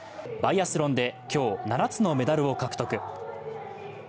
バイアスロンで今日、７つのメダルを獲得。